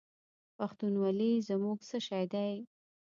پښتونولي زموږ څه شی دی؟